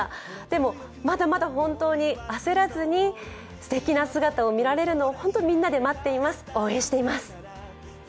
でもまだまだ本当に焦らずにすてきな姿を見られるのをみんなで待っています、応援しています。